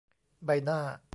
ใบหน้า